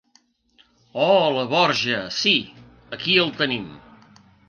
Hooola Borja, sí, aquí el tenim.